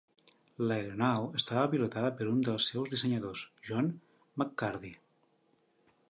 L'aeronau estava pilotada per un dels seus dissenyadors, John McCurdy.